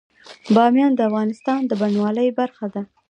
بامیان د افغانستان د بڼوالۍ برخه ده.